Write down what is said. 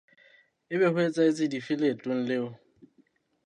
Ebe ho etsahetse dife leetong leo?